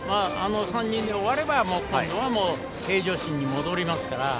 ３人で終われば今度は平常心に戻りますから。